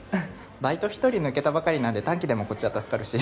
バイト１人抜けたばかりなんで短期でもこっちは助かるし